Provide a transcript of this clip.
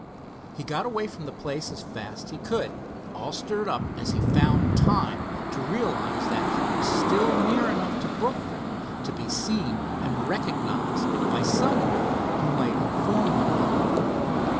He got away from the place as fast as he could, all stirred up as he found time to realize that he was still near enough to Brookville to be seen and recognized by some one who might inform on him.